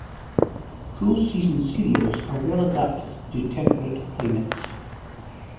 Cool-season cereals are well-adapted to temperate climates.